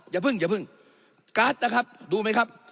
อย่าเพิ่งอย่าเพิ่งการ์ดนะครับดูไหมครับ